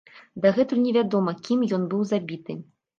Дагэтуль невядома, кім ён быў забіты.